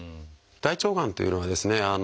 大腸がんっていうのはですね